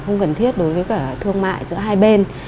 không cần thiết đối với cả thương mại giữa hai bên